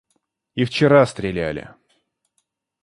— И вчера стреляли.